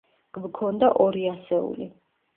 გვქონდა ორი ასეული.